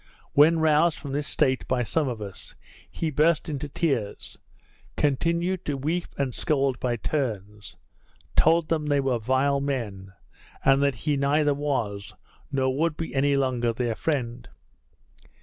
When roused from this state by some of us, he burst into tears; continued to weep and scold by turns; told them they were vile men; and that he neither was, nor would be any longer their friend.